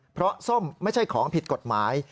เพราะส้มไม่ใช่ของผิดกฎหมาย